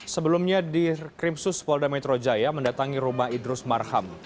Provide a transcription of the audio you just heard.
sebelumnya di krim suspolda metro jaya mendatangi rumah idrus marham